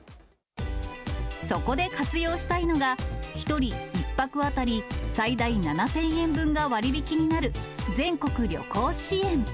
そこで活用したいのが、１人１泊当たり最大７０００円分が割引になる全国旅行支援。